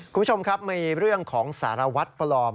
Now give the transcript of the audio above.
คุณผู้ชมครับมีเรื่องของสารวัตรปลอม